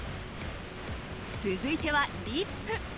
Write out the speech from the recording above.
続いてはリップ。